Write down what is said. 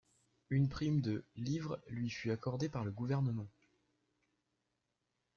Une prime de £ lui fut accordée par le gouvernement.